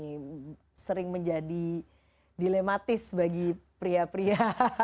ini sering menjadi dilematis bagi pria pria